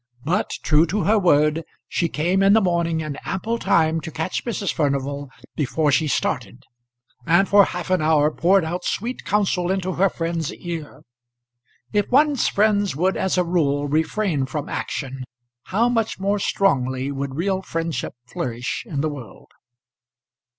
But true to her word she came in the morning in ample time to catch Mrs. Furnival before she started, and for half an hour poured out sweet counsel into her friend's ear. If one's friends would as a rule refrain from action how much more strongly would real friendship flourish in the world!